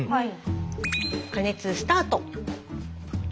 加熱スタート。